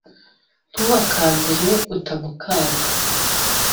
ntuhakandire utamukanga.